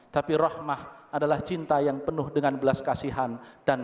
tapi rahmah adalah cinta yang penuh dengan belas kasihan